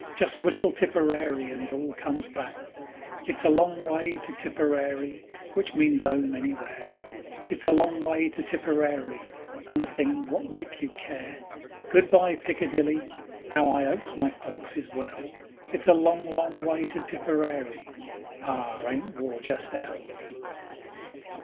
Just whistle Tipperary and it all comes back: _It's a long way to Tipperary (Which means "'ome" anywhere); It's a long way to Tipperary (And the things wot make you care). Good bye, Piccadilly ('Ow I 'opes my folks is well); It's a long, long way to Tipperary ('R! Ain't War just 'ell?)